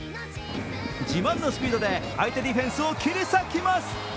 自慢のスピードで相手ディフェンスを切り裂きます。